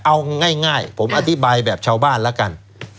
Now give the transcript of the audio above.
เอาง่ายผมอธิบายแบบชาวบ้านแล้วกัน